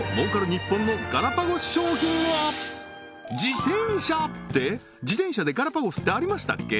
日本のガラパゴス商品は自転車！って自転車でガラパゴスってありましたっけ？